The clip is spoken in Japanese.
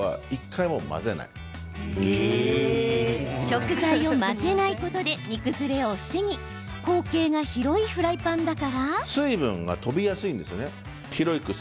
食材を混ぜないことで煮崩れを防ぎ口径が広いフライパンだから。